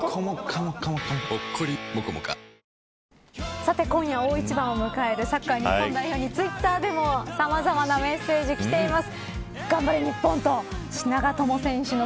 さて今夜、大一番を迎えるサッカー日本代表にツイッターでもさまざまなメッセージ、きています。